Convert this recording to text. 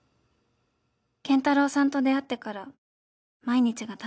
「健太郎さんと出会ってから毎日が楽しかったよ」